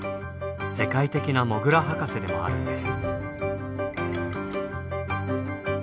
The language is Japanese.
世界的なモグラ博士でもあるんです。